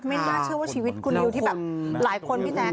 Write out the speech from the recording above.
ไม่น่าเชื่อว่าชีวิตคุณดูที่แบบหลายคนพี่แจ๊ค